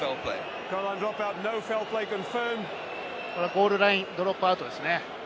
ゴールラインドロップアウトですね。